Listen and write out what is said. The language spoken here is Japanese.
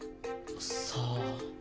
さあ？